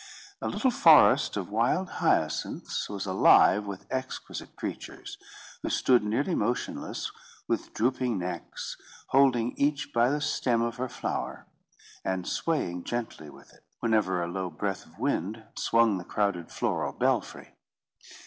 A little forest of wild hyacinths was alive with exquisite creatures, who stood nearly motionless, with drooping necks, holding each by the stem of her flower, and swaying gently with it, whenever a low breath of wind swung the crowded floral belfry.